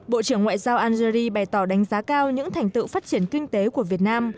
bộ trưởng ngoại giao algeri bày tỏ đánh giá cao những thành tựu phát triển kinh tế của việt nam